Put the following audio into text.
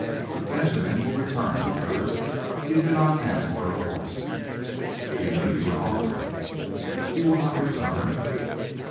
But Benjamin will return with her. He did not ask for the horse." "He knew you would offer." "He will not return?"